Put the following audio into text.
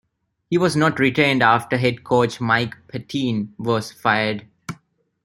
He was not retained after Head Coach Mike Pettine was fired.